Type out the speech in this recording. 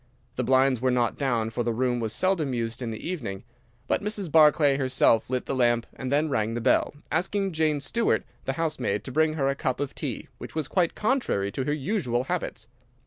The blinds were not down, for the room was seldom used in the evening, but Mrs. Barclay herself lit the lamp and then rang the bell, asking Jane Stewart, the housemaid, to bring her a cup of tea, which was quite contrary to her usual habits.